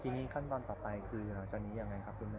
ทีนี้ขั้นตอนต่อไปคือหลังจากนี้ยังไงครับคุณแม่